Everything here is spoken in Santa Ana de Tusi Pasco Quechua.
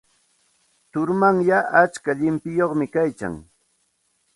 Turumanyay atska llimpiyuqmi kaykan.